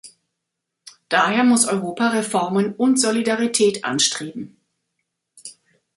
Daher muss Europa Reformen und Solidarität anstreben.